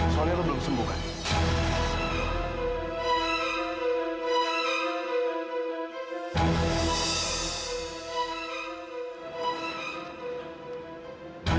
soalnya lo belum sembuhkan